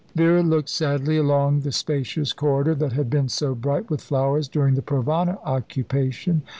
Vera looked sadly along the spacious corridor, that had been so bright with flowers during the Provana occupation.